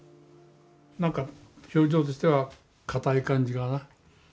なんか表情としては硬い感じかな。